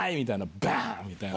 バン！みたいな。